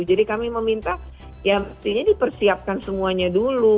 jadi kami meminta ya mestinya dipersiapkan semuanya dulu